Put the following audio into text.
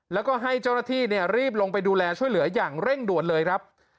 แล้วก็ให้เจ้าหน้าที่รีบลงไปดูแลช่วยเหลืออย่างเร่งด่วนเลยครับ